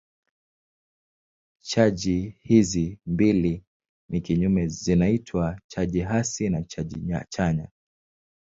Chaji hizi mbili ni kinyume zinaitwa chaji hasi na chaji chanya.